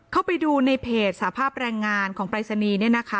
เข้าไปดูในเพจสภาพแรงงานของปรายศนีย์